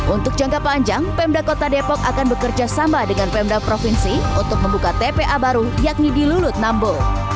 untuk jangka panjang pemda kota depok akan bekerja sama dengan pemda provinsi untuk membuka tpa baru yakni di lulut nambo